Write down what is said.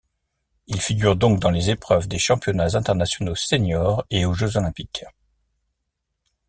Il figure donc dans les épreuves des championnats internationaux seniors et aux jeux olympiques.